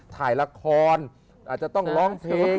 ถ่ายละครอาจจะต้องร้องเพลง